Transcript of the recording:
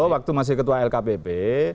waktu masih ketua lkpp